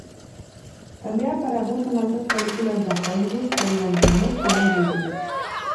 També ha aparegut en altres pel·lícules de Hollywood, com "L'enginyós senyor Ripley".